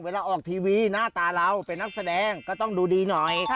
เวลาออกทีวีหน้าตาเราเป็นนักแสดงก็ต้องดูดีหน่อย